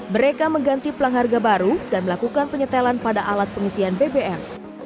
mereka mengganti pelang harga baru dan melakukan penyetelan pada alat pengisian bbm